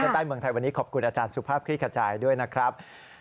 ใต้เมืองไทยวันนี้ขอบคุณอาจารย์สุภาพคลี่ขจายด้วยนะครับ